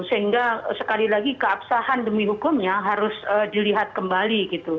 sehingga sekali lagi keabsahan demi hukumnya harus dilihat kembali gitu